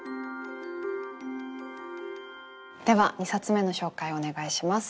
では２冊目の紹介をお願いします。